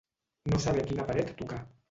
No saber a quina paret tocar.